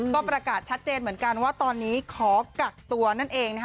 ก็ประกาศชัดเจนเหมือนกันว่าตอนนี้ขอกักตัวนั่นเองนะคะ